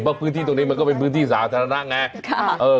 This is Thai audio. เพราะพื้นที่ตรงนี้มันก็เป็นพื้นที่สาธารณะไง